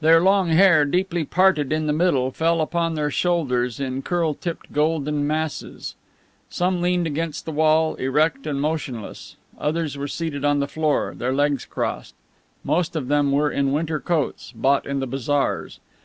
Their long hair, deeply parted in the middle, fell upon their shoulders in curl tipped golden masses. Some leant against the wall, erect, and motionless. Others were seated on the floor, their legs crossed. Most of them were in winter coats, bought in the bazaars.